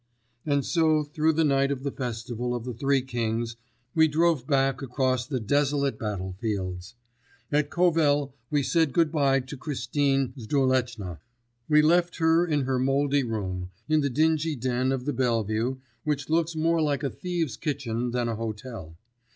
And so through the night of the festival of the Three Kings we drove back across the desolate battlefields. At Kovel we said good bye to Christine Zduleczna. We left her in her mouldy room, in the dingy den of the Bellevue, which looks more like a thieves' kitchen than a hotel.